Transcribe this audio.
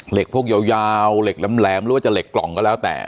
พวกยาวเหล็กแหลมหรือว่าจะเหล็กกล่องก็แล้วแต่